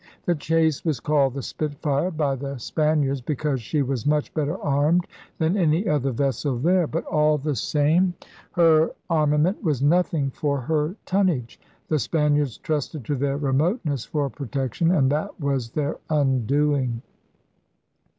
The chase was called the * Spitfire' by the Span iards because she was much better armed than any other vessel there. But, all the same, her ' ENCOMPASSMENT OF ALL THE WORLDS ' 133 armament was nothing for her tonnage. The Spaniards trusted to their remoteness for protec tion; and that was their undoing.